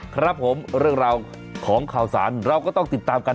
ครับผมเรื่องราวของข่าวสารเราก็ต้องติดตามกัน